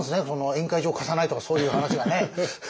宴会場を貸さないとかそういう話がね。